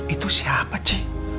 itu siapa cici